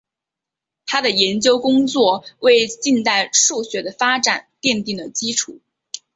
他的研究工作为近代数学的发展奠定了基础。